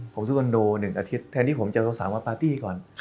ผมซื้อคอนโด๑อาทิตย์แทนที่ผมจะโทรศัพท์มาปาร์ตี้ก่อน